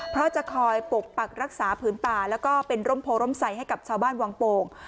เพราะจะคอยปกปักรักษาผืนป่าแล้วก็เป็นร่มโพร่มใสให้กับชาวบ้านวังโป่ง